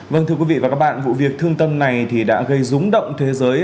vâng thưa quý vị và các bạn vụ việc thương tâm này thì đã gây rúng động thế giới